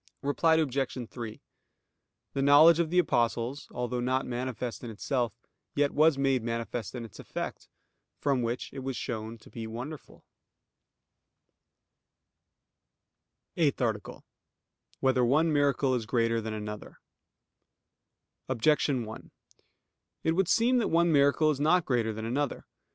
Reply Obj. 3: The knowledge of the Apostles, although not manifest in itself, yet was made manifest in its effect, from which it was shown to be wonderful. _______________________ EIGHTH ARTICLE [I, Q. 105, Art. 8] Whether One Miracle Is Greater Than Another? Objection 1: It would seem that one miracle is not greater than another.